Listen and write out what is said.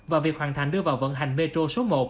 và việc hoàn thành đưa vào vận hành metro số một